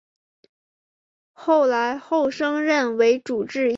后来侯升任为主治医师。